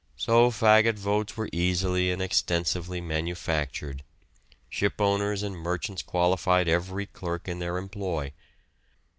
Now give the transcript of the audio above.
So faggot votes were easily and extensively manufactured. Shipowners and merchants qualified every clerk in their employ.